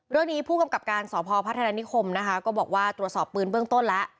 เรื่องนี้ผู้กำกับการสพพัฒนานิคมนะคะก็บอกว่าตรวจสอบปืนเบื้องต้นแล้ว